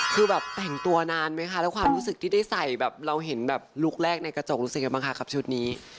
คือแบบแต่งตัวนานไหมคะแล้วความรู้สึกที่ได้ใส่แบบเราเห็นแบบลุคแรกในกระจกรู้สึกกันบ้างคะครับชุดนี้